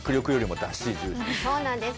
そうなんです。